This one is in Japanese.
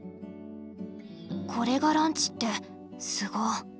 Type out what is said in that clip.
これがランチってすご。